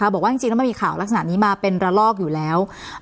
บอกว่าจริงแล้วมันมีข่าวลักษณะนี้มาเป็นระลอกอยู่แล้ว